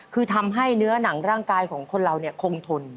คือทำให้เนื้อหนังร่างกายของคนเราคงทน